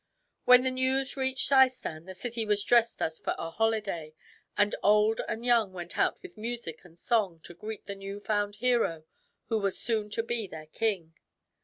When the news reached Seistan, the city was dressed as for a holiday, and old and young went out with music and song to greet the new found hero who was soon to be their king.